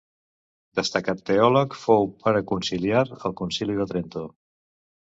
Destacat teòleg, fou pare conciliar al Concili de Trento.